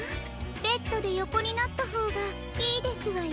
ベッドでよこになったほうがいいですわよ。